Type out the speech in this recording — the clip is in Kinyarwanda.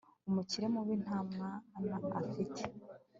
Umukire mubi nta mwana afite